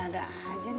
aduh ada ada aja nih